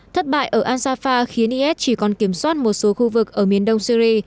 thất bại ở ansafa khiến is chỉ còn kiểm soát một số khu vực ở miền đông syri